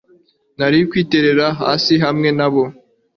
Nari kwiterera hasi hamwe nabo